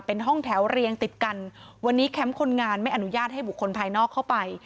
เป็นห้องแถวเรียงติดกันวันนี้แคมป์คนงานไม่อนุญาตให้บุคคลภายนอกเข้าไป